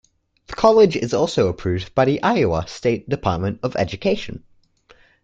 The College is also approved by the Iowa State Department of Education.